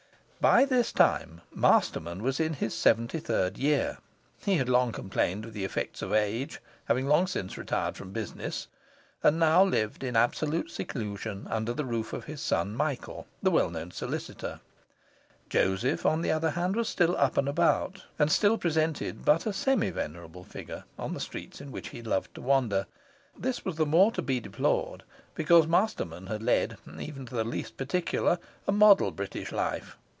By this time Masterman was in his seventy third year; he had long complained of the effects of age, had long since retired from business, and now lived in absolute seclusion under the roof of his son Michael, the well known solicitor. Joseph, on the other hand, was still up and about, and still presented but a semi venerable figure on the streets in which he loved to wander. This was the more to be deplored because Masterman had led (even to the least particular) a model British life.